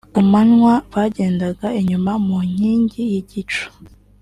Ku manywa yabagendaga inyuma mu nkingi y'igicu